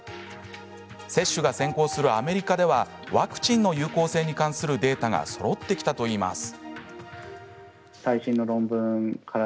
接種が先行するアメリカではワクチンの有効性に関するデータがそろってきたといいます。